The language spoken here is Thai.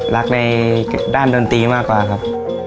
รักในด้านดนตรีมากกว่าครับ